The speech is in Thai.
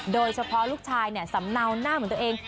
โดยเฉพาะลูกชายสำเนาหน้าเหมือนตัวเอง